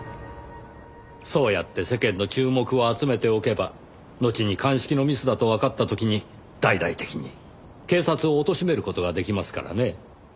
そうやって世間の注目を集めておけばのちに鑑識のミスだとわかった時に大々的に警察をおとしめる事が出来ますからね。